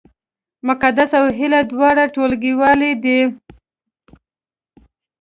مقدسه او هیله دواړه ټولګیوالې دي